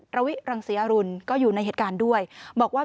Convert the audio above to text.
ระวิรังศรีอรุณก็อยู่ในเหตุการณ์ด้วยบอกว่า